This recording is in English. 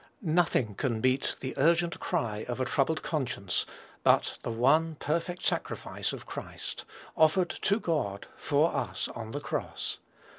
Nothing can meet the urgent cry of a troubled conscience but the one perfect sacrifice of Christ; offered to God for us, on the cross.